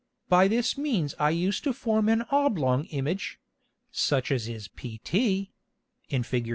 By this means I used to form an oblong Image (such as is pt) [in _Fig.